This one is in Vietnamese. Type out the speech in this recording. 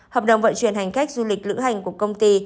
hợp đồng vận chuyển hành khách du lịch lữ hành của công ty